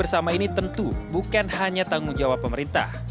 berkait bersama ini tentu bukan hanya tanggung jawab pemerintah